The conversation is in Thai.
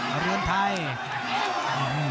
เอาเรือนไทย